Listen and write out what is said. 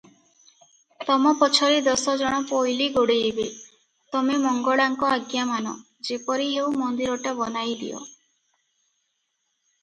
ତମ ପଛରେ ଦଶଜଣ ପୋଇଲୀ ଗୋଡ଼େଇବେ, ତମେ ମଙ୍ଗଳାଙ୍କ ଆଜ୍ଞା ମାନ; ଯେପରି ହେଉ ମନ୍ଦିରଟା ବନାଇଦିଅ ।